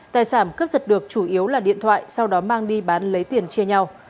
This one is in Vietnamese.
tài sản cướp giật được chủ yếu là điện thoại sau đó mang đi bán lấy tiền chia nhau